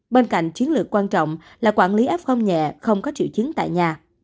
bên cạnh chiến lược quan trọng là quản lý f nhẹ không có triệu chứng tại nhà